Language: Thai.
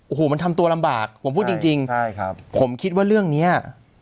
โอ้โหมันทำตัวลำบากผมพูดจริงจริงใช่ครับผมคิดว่าเรื่องเนี้ย